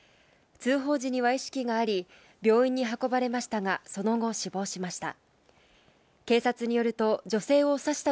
通報時には意識があり、病院に運ばれましたが、その後、死亡しました。